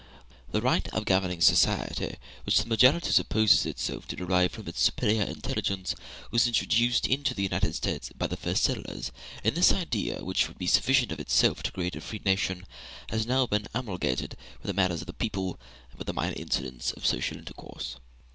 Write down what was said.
The right of governing society, which the majority supposes itself to derive from its superior intelligence, was introduced into the United States by the first settlers, and this idea, which would be sufficient of itself to create a free nation, has now been amalgamated with the manners of the people and the minor incidents of social intercourse.